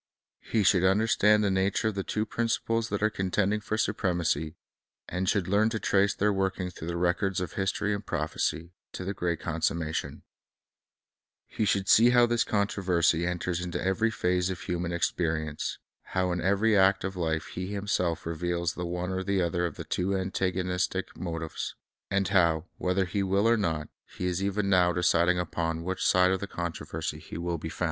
He should understand the nature of the two principles that are contending for supremacy, and should learn to trace their working through the records of history and prophecy, to the great consummation, lie should see how this controversy enters into every phase of human experience; how in every act of life he himself reveals the one or the other of the two antagonistic motives; and how, whether he will or not, he is even now deciding upon which side of the con troversv he will be found.